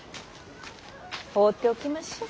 放っておきましょう。